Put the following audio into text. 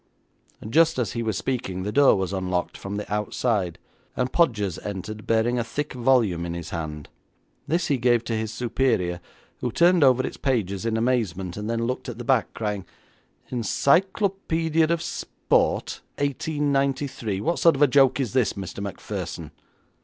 Just as he was speaking the door was unlocked from the outside, and Podgers entered, bearing a thick volume in his hand. This he gave to his superior, who turned over its pages in amazement, and then looked at the back, crying, 'Encyclopaedia of Sport, 1893! What sort of a joke is this, Mr. Macpherson?'